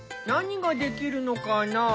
何ができるのかな？